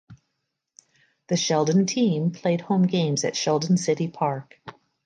The Sheldon team played home games at Sheldon City Park.